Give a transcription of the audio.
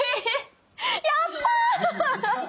やった！